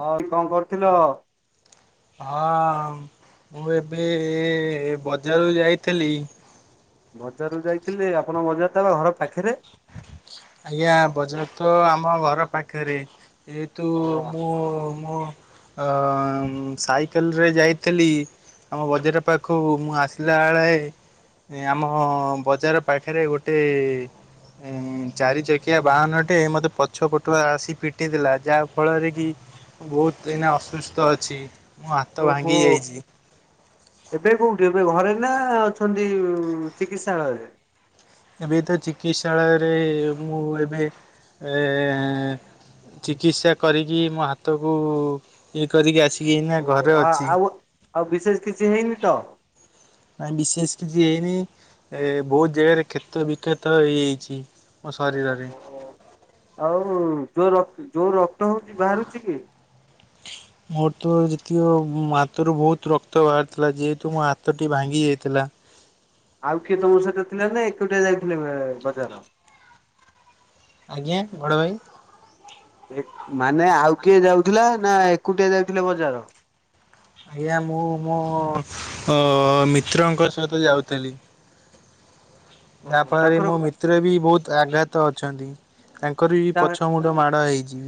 ହଁ, କଣ କରୁଥିଲ? ହଁ, ମୁଁ ଏବେ ବଜାର ଯାଇଥିଲି। ବଜାର ଯାଇଥିଲି, ଆପଣ ବଜାରଟା ବା ଘର ପାଖରେ? ଆଜ୍ଞା, ବଜାର ତ ଆମ ଘର ପାଖରେ, ଯେହେତୁ ଅ ମୁଁ ମୁଁ ଅ ସାଇକେଲ ରେ ଯାଇଥିଲି। ଆମ ବଜାର ପାଖକୁ ମୁଁ ଆସିଲା ବେଳେ ଆମ ବଜାର ପାଖରେ ଗୋଟେ ଚାରି ଚକିଆ ବାହନ ଟେ ମୋତେ ପଛ ପଟୁଆ ଆସି ପିଟିଦେଲା, ଯାହା ଫଳରେ କି ବହୁତ ଏଇନା ଅସୁସ୍ଥ ଅଛି। ମୋ ହାତ ଓହୋ। ଭାଙ୍ଗି ଯାଇଛି। ଏବେ କୋଉଠି, ଏବେ ଘରେ ନା ଅଛନ୍ତି ଚିକିତ୍ସାଳୟରେ? ଏବେ ତ ଚିକିତ୍ସାଳୟରେ ମୁଁ ଏବେ ଚିକିତ୍ସା କରିକି ମୋ ହାତକୁ ଇଏ କରିକି ଆସିକିନା ଓ, ଆଉ ଆଉ ବିଶେଷ କିଛି ହେଇନି ତ? ବିଶେଷ କିଛି ହେଇନି, ଏ ବହୁତ ଜାଗାରେ କ୍ଷେତ ବିକ୍ଷତ ହେଇଯାଇଛି। ମୋ ଶରୀରରେ। ଆଉ ଯୋଉ ଯୋଉ ରକ୍ତ ହଉଛି ବାହାରୁଛି କି? ମୋର ତ ଯେତିକ ହାତରୁ ବହୁତ ରକ୍ତ ବାହାରିଥିଲା, ଯେହେତୁ ମୋ ହାତଟି ଭାଙ୍ଗି ଯାଇଥିଲା। ଆଉ କିଏ ତମ ସହିତ ଥିଲ ନା, ଏକୁଟିଆ ଯାଇଥିଲେ ବଜାର। ଆଜ୍ଞା, ବଡ ଭାଇ। [inaudible] ମାନେ ଆଉ କିଏ ଯାଉଥିଲା, ନା ଏକୁଟିଆ ଯାଉଥିଲେ ବଜାର? ଆଜ୍ଞା, ମୁଁ ମୋ ଓ ମିତ୍ରଙ୍କ ସହିତ ଯାଉଥିଲି। ଯାହା ଓହୋ ଫଳରେ ତାଙ୍କର ମୋ ମିତ୍ର ବି ବହୁତ ଆଘାତ ଅଛନ୍ତି। ତାଙ୍କର ବି ପଛ ମୁଣ୍ଡ ମାଡ ହେଇଛି।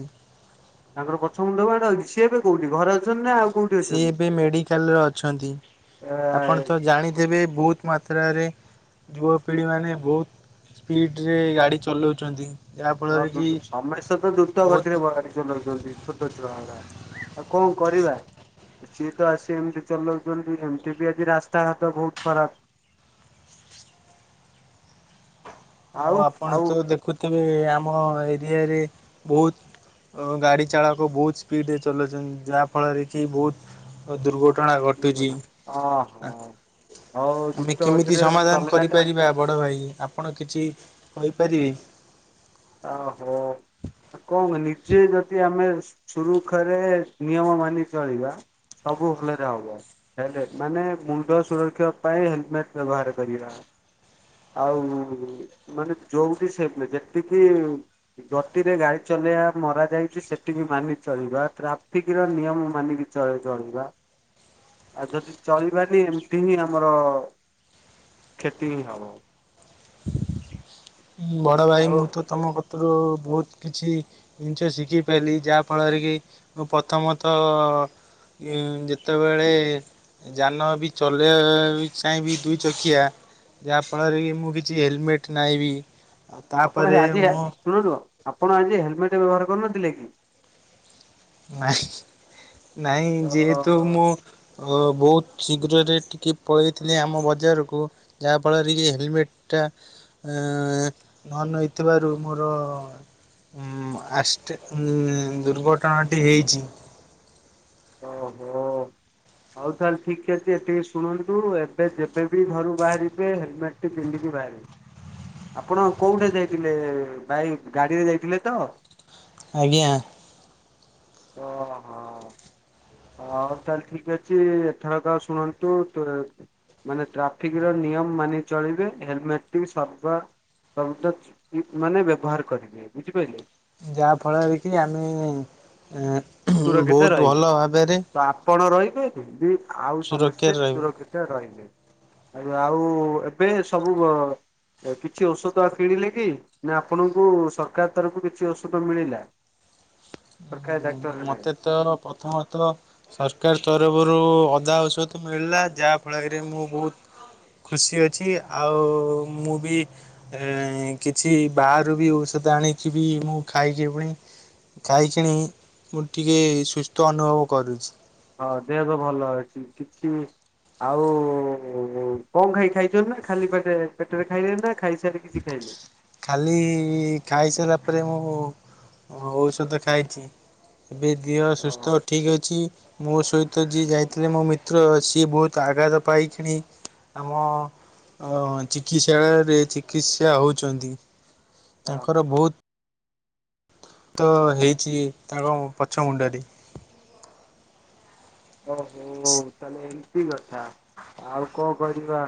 ତାଙ୍କର ପଛ ମୁଣ୍ଡ ମାଡ଼ ହେଇଛି। ସେ ଏବେ କୋଉଠି ଘରେ ଅଛନ୍ତି ନା ଆଉ କୋଉଠି ସିଏ ଅଛନ୍ତି? ଏବେ ମେଡିକାଲରେ ଅଛନ୍ତି, ଏ ଆପଣ ତ ଜାଣି ଯେବେ ବହୁତ ମାତ୍ରାରେ ଯୁବପିଢ଼ିମାନେ ବହୁତ ସ୍ପିଡ଼ରେ ଗାଡ଼ି ଚଲାଉଛନ୍ତି‌। ହଁ, [inaudible] ସମସ୍ତ ଦ୍ରୁତ ବହୁତ ଗତିରେ ବାଢାନ୍ତି। [inaudible] କଣ କରିବା? ସିଏ ତ ଆସି ଏମିତି ଚଲାଉଛନ୍ତି, ଏମିତି ବି ଆଜି ରାସ୍ତାଘାଟ ବହୁତ ଖରାପ। ଆଉ ଆପଣ ତ ଦେଖୁଥିବେ, ଆମ ଏରିଆରେ ବହୁତ ଓ ଗାଡ଼ି ଚାଳକ ବହୁତ ସ୍ପିଡ଼ରେ ଚଲଉଛନ୍ତି, ଯାହାଫଳରେ କି ବହୁତ ଦୁର୍ଘଟଣା ଘଟୁଛି। ଓହୋ ହଉ ଆମେ କେମିତି ଦ୍ରୁତଗତିରେ ସମାଧାନ ଚଲେଇବା ଟା କରିପାରିବା ବଡ଼ ଭାଇ ଆପଣ କିଛି କହିପାରିବେ। ଓହୋ କଣ ନିଜେ ଯଦି ଆମେ ସୁରୁଖୁରେ ନିୟମ ମାନି ଚଳିବା ସବୁ ଭଲରେ ହେବ। ହେଲମଟ ମାନେ ମୁଣ୍ଡ ସୁରକ୍ଷା ପାଇଁ ହେଲମେଟ୍ ବ୍ୟବହାର କରିବା। ଆଉ ମାନେ ଯୋଉଠି ସେ ଯେତିକି ଗତିରେ ଗାଡି ଚଲେଇବା ମରା ଯାଇଛି ସେତିକି ମାନି ଚଳିବା ଟ୍ରାଫିକର ନିୟମ ମାନିକି ଚଳେ ଚଳିବା ଆଉ ଯଦି ଚଳିବାନି ଏମିତି ହିଁ ଆମର କ୍ଷତି ହିଁ ହବ। ବଡ଼ ଭାଇ ଆଉ ମୁଁ ତ ତମ କତରୁ ବହୁତ କିଛି ନିଜେ ଶିଖିଥିଲି ଯାହାଫଳରେ କି ମୁଁ ପ୍ରଥମତଃ ଉ ଯେତେବେଳେ ଯାନ ବି ଚଲେଇବା ବି ଚାହିଁବି ଦୁଇ ଚକିଆ ଯାହାଫଳରେ କି ମୁଁ କିଛି ହେଲମେଟ୍ ନାଇବି ଆପଣ ହେ ଆଜି ଶୁଣ ଶୁଣ ଆପଣ ଆଜି ହେଲମେଟ ବ୍ୟବହାର କରୁନଥିଲେ କି? ନାଇଁ ହିଁ ନାଇଁ ତ ଯେହେତୁ ମୁଁ ଓ ବହୁତ ଶୀଘ୍ରରେ ଟିକେ ପଳେଇଥିଲି ଆମ ବଜାରକୁ ଯାହା ଫଳରେ ଇଏ ହେଲମେଟ ଟା ଏ ନ ନେଇୋଇଥିବାରୁ ମୋର ହୁଁ ଆସ ଟି ଉ ଦୁର୍ଘଟଣାଟି ହେଇଛି। ଓହୋ ହଉ ତାହେଲେ ଠିକ୍ ଅଛି ଏତିିକି ଶୁଣନ୍ତୁ ଏବେ ଯେବେ ବିି ଘରୁ ବାହାରିବେ ହେଲମେଟଟି ପିନ୍ଧିକି ବାହାରିବେ। ଆପଣ କୋଉଁଠା ଯାଇଥିଲେ ଭାଇ ଗାଡ଼ିରେ ଯାଇଥିଲେ ତ? ଆଜ୍ଞା ଓହୋ ହ ହଉ ତାହେଲେ ଠିକ୍ ଅଛି ଏଥରକ ଆ ଶୁଣନ୍ତୁ ମାନେ ଟ୍ରାଫିକ ର ନିୟମ ମାନି ଚଳିବେ ହେଲମେଟ ସର୍ବ ତାନ୍ତେଚ ପ୍ଲିପ [unintelligible] ମାନେ ବ୍ୟବହାର କରିବେ ବୁଝିପାରିଲେ ଯାହାଫଳରେ କି ଆମେ ସୁରକ୍ଷିତ ବହୁତ ରହିବେ ଭଲ ଭାବରେ ତ ଆପଣ ରହିବେ କି ଆଉ ସମସ୍ତେ ସୁରକ୍ଷାରେ ରହିବୁ ସୁରକ୍ଷିତ ରହିବେ। ଏ ଆଉ ଏବେ ସବୁ କିଛି ଔଷଧ କିଣିଲେ କି ନା ଆପଣଙ୍କୁ ସରକାର ତରଫକୁ କିଛି ଔଷଧ ମିଳିଲା। ସରକାରୀ ଡାକ୍ତରଖାନାରେ? ମତେ ତ ପ୍ରଥମତ ସରକାର ତରଫରୁ ଅଧା ଔଷଧ ମିଳିଲା ଯାହା ଫଳରେରେ ମୁଁ ବହୁତ୍ ଖୁସି ଅଛି ଆଉ ମୁଁ ବି ଏ କିଛି ବାହାରୁ ବି ଔଷଧ ଆଣିକି ବି ମୁଁ ଖାଇକି ପୁଣି ଖାଇ କିିଣି ମୁଁ ଟିକେ ସୁସ୍ଥ ଅନୁଭବ କରୁଛି। ହଁ ଦେହ ବି ତ ଭଲ ଅଛି କିଛି ବି ଆଉ କଣ ଖାଇ ଖାଇଛ ନା ଖାଲି ପେଟରେ ଖାଇଲେ ନା ଖାଇସାରି କିଛି ଖାଇଲେ। ଖାଲି ଖାଇସାରିଲା ପରେ ମୁଁ ଔଷଧ ଖାଇଛି। ଏବେ ଦେହ ଓ ସୁସ୍ଥ ଠିକ୍ ଅଛି ମୋ ସହିତ ଯିଏ ଯାଇଥିଲେ ମୋ ମିତ୍ର ଅ ସିଏ ବହୁତ ଆଘାତ ପାଇ କିିଣି ଆମ ଅ ଚିକିତ୍ସାଳୟରେ ଚିକିତ୍ସା ହେଉଛନ୍ତି ତାଙ୍କର ବହୁତ ତ ହେଇଛି ତାଙ୍କ ପଛ ମୁଣ୍ଡରେ ଛି ଏଠ କଥା ଆଉ କଣ କରିବା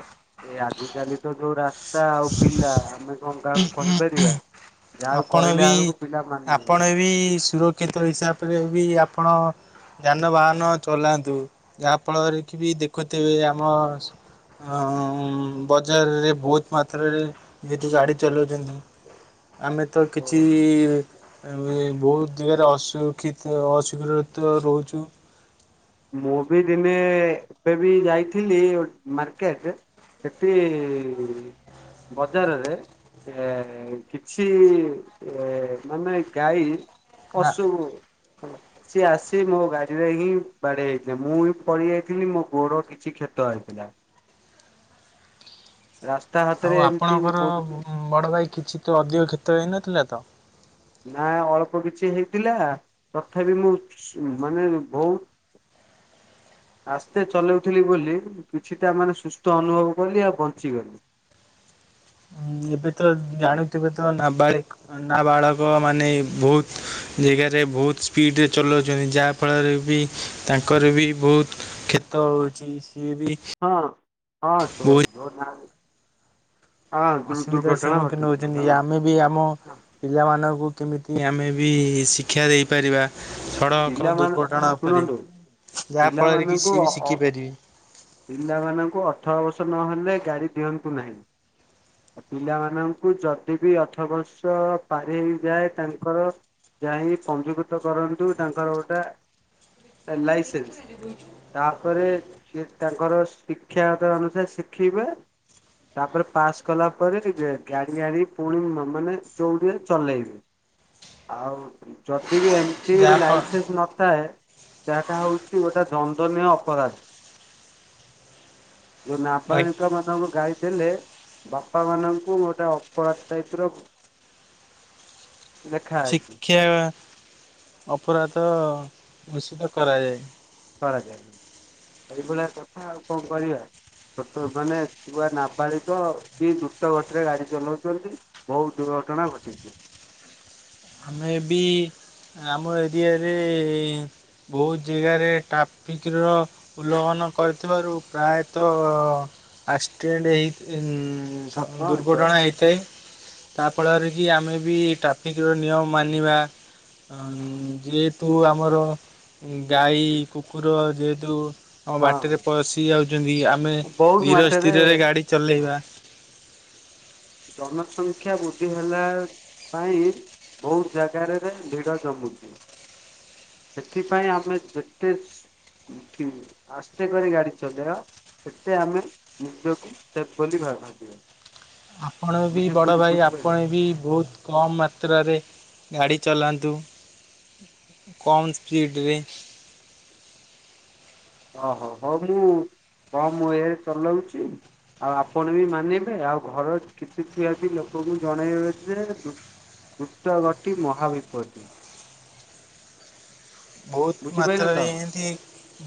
ଏ ଆଜିକାଲି ତ ଯୋଉରାା ମାତା ଆଉ ପିଲା ଆମେ କଣ କାହାକୁ କହିପାରିବା ଯାହାକୁ ଆପଣ କହିଲା ବି ବେଳକୁ ପିଲା ମାନୁନାହାନ୍ତି। ଆପଣ ବି ସୁରକ୍ଷିତ ହିସାବରେ ବି ଆପଣ ଯାନବାହାନ ଚଲାନ୍ତୁ ଯାହା ଫଳରେ କି ବି ଦେଖୁଥିବେ ଆମ ହ ବଜାରରେ ବହୁତ ମାତ୍ରାରେ ଯେତୁ ଗାଡି ଚଲାଉଛନ୍ତି ଆମେ ତ କିଛି ଏ ବହୁତ ଦିଗରେ ଅଶିକ୍ଷିତ ଅସୁରକ୍ଷିତ ରହୁଛୁ ମୁଁ ବି ଦିନେ ଏବେ ବି ଯାଇଥିଲି ମାର୍କେଟ ସେଠ ବଜାରରେ ଏ କିଛି ଏ ମାନେ ଗାଈ ନା ଅଶୁ ସିଏ ଆସ ମୋ ଗାଡିରେ ହିଁ ବାଡିେ ହେଇଥିଲା ମୁଁ ବି ପଡି ଯାଇଥିଲି ମୋ ଗୋର କିଛି କ୍ଷେତ ହେଇଥିଲା ରାସ୍ତା ହାତରେ ଆଉ ଏମିତି ଆପଣଙ୍କର ବହୁତ ବଡ଼ ଭାଇ କିଛି ତ ଅଧିକ କ୍ଷେତ ହେଇନଥିଲା ତ ନା ଅଳ୍ପ କିଛି ହେଇଥିଲା ତଥାପି ମୁଁ ମାନେ ବହୁତ ଆସ୍ତେ ଚଲାଉଥିଲି ବୋଲି କିଛିଟା ମାନେ ସୁସ୍ଥ ଅନୁଭବ କଲି ଆଉ ବଞ୍ଚିଗଲି ହଁ ଏବେ ତ ଜାଣୁଥିବେ ତ ନାବାଳ ନାବାଳକ ମାନେ ବହୁତ ଜାଗାରେ ବହୁତ ସ୍ପିଡ଼ରେ ଚଲାଉଛନ୍ତି ଯାହାଫଳରେ ବି ତାଙ୍କର ବି ବହୁତ କ୍ଷେତ ହଉଛି ସିଏ ବି ହଁ ହଁଛ ବହୁତ ଯୋ ନା ଅସୁବିଧାର ସମ୍ମୁଖୀନ ଘଟୁଛି ହଉଛନ୍ତି ହଁ ଆମେ ହଁ। ବି ଆମ ପିଲାମାନଙ୍କୁ କେମିତି ଆମେ ବି ଶିକ୍ଷା ଦେଇପାରିବା ସଡ଼କ ପିଲାମାନେ ଦୁର୍ଘଟଣା ଉପରେ ଶୁଣନ୍ତୁ ଯାହା ଫଳରେ କି ପିଲାମାନଙ୍କୁ ସିଏ ଅ ବି ଅ ଶିଖି ପାରିବି ପିଲାମାନଙ୍କୁ ଅଠର ବର୍ଷ ନହେଲେ ଗାଡ଼ି ଦିଅନ୍ତୁ ନାହିଁ ପିଲାମାନଙ୍କୁ ଯଦି ବି ଅଠ ବର୍ଷ ପାରି ହେଇଯାଏ ତାଙ୍କର ଯା ହି ପଞ୍ଜୀକୃତ କରନ୍ତୁ ତାଙ୍କର ଗୋଟେ ଲାଇସେନ୍ସ ତାପରେ ସେି ତାଙ୍କର ଶିକ୍ଷାଗତ ଅନୁସାରେ ଶିଖେଇବେ ତାପରେ ପାସ୍ କଲା ପରେ ଗାଡି ଗାଡି ପୁଣି ମାନେ ଚୋଉଠରେ ଚଲେଇବ ଆଉ ଯଦି ବି ଏମିତି ଯାହା ଲାଇସେନ୍ସ ନଥାଏ ସେଟା ହଉଛି ଗୋଟେ ଦନ୍ଦନୀୟ ଅପରାଧ ଯେଉ ନାବ ମ ଗାଡି ଦେଲେ ବାପା ମାନଙ୍କୁ ଗୋଟେ ଅପରାଧ ଟାଇପ ର [unintelligible] ଲେଖା ଅଛି ଶିକ୍ଷା ଅପରାଧ ଘୂଷିତ କରାଯାଏ କରାଯାଏ ଏଇଭଳିଆ କଥା ଆଉ କଣ କରିବା ଛୋଟ ମାନେ ଛୁଆ ନାପାଳିକ କି ଦ୍ରୁତ ଗତିରେ ଗାଡି ଚଲାଉଛନ୍ତି ବହୁତ ଦୁର୍ଘଟଣା ଘଟିଛି ଆମେ ଏ ବି ଆମ ଏରିଆରେ ବହୁତ ଜାଗାରେ ଟ୍ରାଫିକ ର ଉଲ୍ଲଂଘନ କରିଥିବାରୁ ପ୍ରାୟତଃ ଆଷ୍ଟେଟ ହଁ ଜ ଦୁର୍ଘଟଣା ହୋଇଥାଏ, ତା ଫଳରେ କି ଆମେ ବି ଟ୍ରାଫିକ୍ ଯୋଉ ନିୟମ ମାନିବା। ଯେହେତୁ ଆମର ଗାଈ କୁକୁର ଯେହେତୁ ଆମ ହଁ ବାଟରେ ପଶି ଯାଉଚନ୍ତି, ଆମେ ବହୁତ ଧୀର ମାତ୍ରାରେ ସ୍ଥିରରେ ଗାଡ଼ି ଚଲେଇବା। ଜନସଂଖ୍ୟା ବୃଦ୍ଧି ହେଲା ପାଇଁ ବହୁତ ଜାଗାରେ ରେ ଭିଡ ଜମୁଚି। ସେଥିପାଇଁ ଆମେ ଯେତେ ଠିକ୍, ଆସ୍ତେ କରି ଗାଡି ଚଲେଇବା ସେତେ ଆମେ ନିଜକୁ ସେଫ ବୋଲି ଭାବିବା। ଆପଣ ବି ବୁଝି ବଡ଼ ବୁଝି ଭାଇ, ବୁଝିପାରିଲେ। ଆପଣ ବି ବହୁତ କମ୍ ମାତ୍ରାରେ ଗାଡ଼ି ଚଲାନ୍ତୁ, କମ୍ ସ୍ପିଡ଼ରେ। ଓହୋ, ହଉ ମୁଁ କମ ରେ ଚଲଉଚି। ଆଉ ଆପଣ ବି ମାନିବେ, ଆଉ ଘର କିଛି ଥିବା ବି ଲୋକଙ୍କୁ ଜଣେଇବେ ଯେ, ଦୁ ଦୃତ ଗତି, ମହାବିପତ୍ତି। ବହୁତ ବୁଝିପାରିଲେ ମାତ୍ରାରେ ତ। ଏମିତି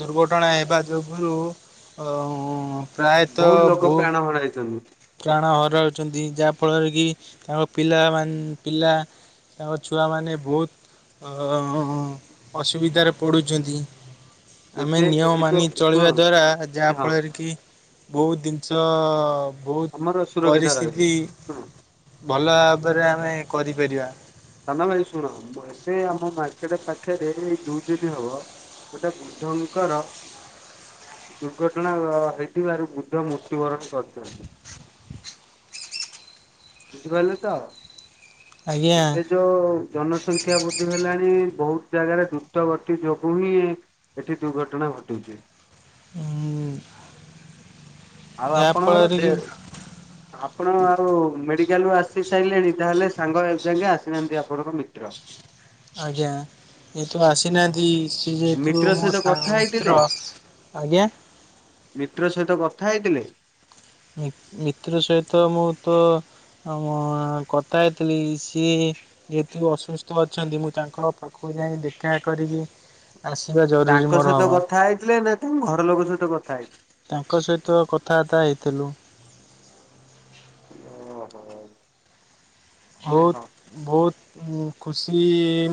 ଦୁର୍ଘଟଣା ହେବା ଯୋଗୁରୁ ଉଁ ଉଁ ପ୍ରାୟତଃ ବହୁତ ଭୁ [unintelligible] ପ୍ରାଣ ହରାଉଚନ୍ତି, ଯାହାଫଳରେ କି ତାଙ୍କ ପିଲାମାନେ ପିଲା ତାଙ୍କ ଛୁଆମାନେ ବହୁତ ଅସୁବିଧାରେ ପଡ଼ୁଚନ୍ତି। ଆମେ ଏବେ ନିୟମ ଏଇ ମାନି ଯୋଉ ଶୁଣ ଚଳିବା ଦ୍ଵାରା, ହଁ ଯାହାଫଳରେ କି ବହୁତ ଜିନିଷ, ବହୁତ ଆମର ସୁରକ୍ଷିତ ରହିବ ପରିସ୍ଥିତି ଶୁଣ ଭଲ ଭାବରେ ଆମେ କରିପାରିବା। ସାନା ଭାଇ ଶୁଣ, ଏବେ ଆମ ମାର୍କେଟ ପାଖରେ ଏଇ ଦୁଇ ଦିନ ହବ ଗୋଟେ ବୃଦ୍ଧଙ୍କର ଦୁର୍ଘଟଣା ହେଇଥିବାରୁ, ବୃଦ୍ଧ ମୃତ୍ୟୁବରଣ କରିଚନ୍ତି। ବୁଝିପାରିଲ ତ? ଆଜ୍ଞା ଏବେ ଯୋଉ ଜନସଂଖ୍ୟା ବୃଦ୍ଧି ହେଲାଣି, ବହୁତ ଜାଗାରେ ଦ୍ରୁତ ଗତି ଯୋଗୁ ହିଁ ଏଠି ଦୁର୍ଘଟଣା ଘଟୁଚି। ହୁଁ ଆଉ ଆପଣଙ୍କର ଦେ ଆପଣ ଆଉ ମେଡିକାଲୁ ଆସି ସାରିଲେଣି, ତାହେଲେ ସାଙ୍ଗ ଯାକେ ଆସିନାହାନ୍ତି ଆପଣଙ୍କ ମିତ୍ର? ଆଜ୍ଞା, ଏ ତୁ ଆସିନାହାନ୍ତି ସ ଯୋଇଥିବୁ ମିତ୍ର ମୋ ସହିତ ସା କଥା ହେଇଥିଲେ ମିତ୍ର, ଆଜ୍ଞା। ମିତ୍ର ସହିତ କଥା ହେଇଥିଲେ? ମିତ୍ର ସହିତ ମୁଁ ତ ଆ ମୁ କଥା ହେଇଥିଲି, ସିଏ ଯେହେତୁ ଅସୁସ୍ଥ ଅଛନ୍ତି, ମୁଁ ତାଙ୍କ ପାଖକୁ ଯାଇ ଦେଖା କରିବି। ଆସିବା ଯ ତାଙ୍କ ସହିତ କଥା ହେଇଥିଲେ ନା, ତାଙ୍କ ଘର ଲୋକ ସହିତ କଥା ହେଇଥିଲେ? ତାଙ୍କ ସହିତ କଥାବାର୍ତ୍ତା ହେଇଥିଲୁ। ଓହୋ। ବହୁତ, ହଁ ବହୁତ ଖୁସି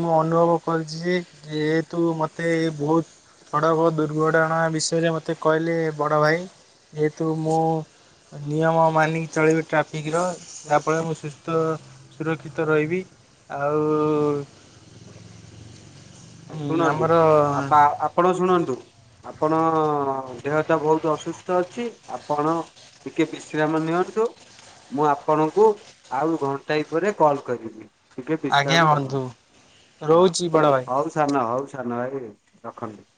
ମୁଁ ଅନୁଭବ କରିଚି ଯେ, ଯେହେତୁ ମୋତେ ବହୁତ ସଡ଼କ ଦୁର୍ଘଟଣା ବିଷୟରେ ମୋତେ କହିଲେ ବଡ଼ ଭାଇ, ଯେହେତୁ ମୁଁ ନିୟମ ମାନି କି ଚଲେଇବେ ଟ୍ରାଫିକର ଯାହାଫଳରେ ମୁଁ ସୁସ୍ଥ ସୁରକ୍ଷିତ ରହିବି ଆଉ ଉଁ, ଶୁଣନ୍ତୁ ଆମର ଆପା ଆପଣ ଶୁଣନ୍ତୁ। ଆପଣ ଦେହଟା ବହୁତ ଅସୁସ୍ଥ ଅଛି। ଆପଣ ଟିକେ ବିଶ୍ରାମ ନିଅନ୍ତୁ। ମୁଁ ଆପଣଙ୍କୁ ଆଉ ଘଣ୍ଟାଏ ପରେ କଲ୍ କରିବି। ଟିକେ ଆଜ୍ଞା ବିଶ୍ରାମ ବନ୍ଧୁ କରନ୍ତୁ ହଁ। ରହୁଛି ବଡ଼ ଭାଈ। ହଉ ସାନ ହଉ ସାନ ଭାଇ ରଖନ୍ତୁ।